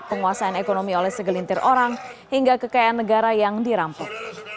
penguasaan ekonomi oleh segelintir orang hingga kekayaan negara yang dirampok